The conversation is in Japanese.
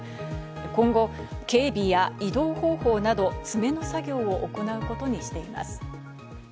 今後、警備や移動方法など詰めの作業を行うことにしています。